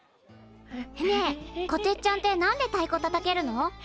ねえこてっちゃんって何でたいこたたけるの？